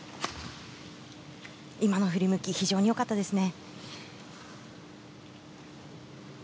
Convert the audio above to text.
今の振り向き非常に良かったですね。